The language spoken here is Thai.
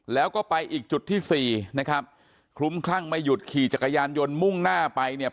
แล้วก็ไปอีกจุดที่สี่นะครับคลุ้มคลั่งไม่หยุดขี่จักรยานยนต์มุ่งหน้าไปเนี่ย